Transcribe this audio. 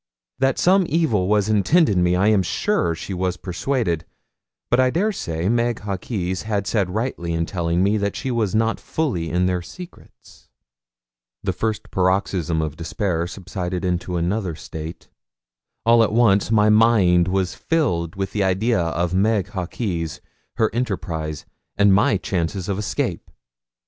That some evil was intended me I am sure she was persuaded; but I dare say Meg Hawkes had said rightly in telling me that she was not fully in their secrets. The first paroxysm of despair subsided into another state. All at once my mind was filled with the idea of Meg Hawkes, her enterprise, and my chances of escape.